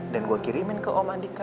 dan gua kirimin ke om andika